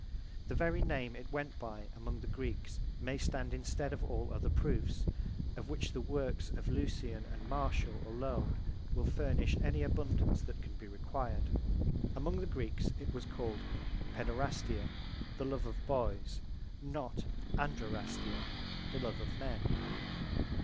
The very name it went by among the Greeks may stand instead of all other proofs, of which the works of Lucian and Martial alone will furnish any abundance that can be required. Among the Greeks it was called Paederastia, the love of boys, not Andrerastia, the love of men.